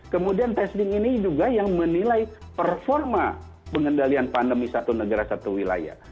kemudian testing ini juga yang menilai performa pengendalian pandemi satu negara satu wilayah